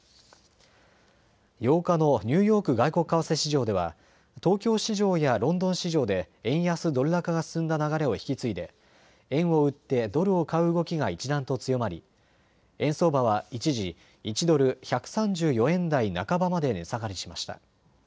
８日のニューヨーク外国為替市場では東京市場やロンドン市場で円安ドル高が進んだ流れを引き継いで円を売ってドルを買う動きが一段と強まり円相場は一時、１ドル１３４円台半ばまで値下がりしました。